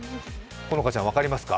好花ちゃん分かりますか？